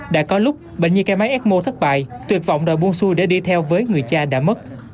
đã có lúc bệnh như cây máy ecmo thất bại tuyệt vọng đòi buông xuôi để đi theo với người cha đã mất